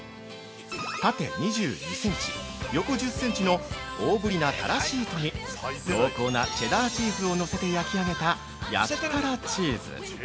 ◆縦２２センチ、横１０センチの大ぶりなたらシートに濃厚なチェダーチーズを載せて焼き上げた「焼たらチーズ」。